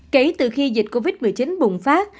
kể từ khi dịch covid một mươi chín bùng phát